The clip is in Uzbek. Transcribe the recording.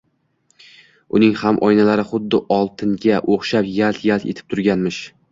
Uning ham oynalari xuddi oltinga oʻxshab yalt-yalt etib turganmish